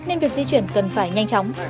nên việc di chuyển cần phải nhanh chóng